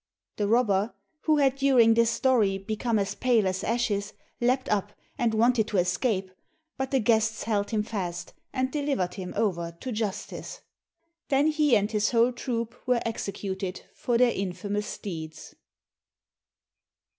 The robber, who had during this story become as pale as ashes, leapt up and wanted to escape, but the guests held him fast, and delivered him over to justice. Then he and his whole troop were executed for their infamous deeds.